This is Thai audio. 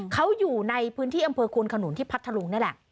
เขาอยู่ในพื้นที่อำเภอควนขนุนที่พัทธลุงนี่แหละ